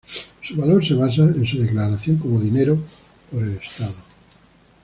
Su valor se basa en su declaración como dinero por el Estado.